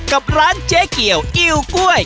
กับร้านเจ๊เกียวอิ๋วกล้วย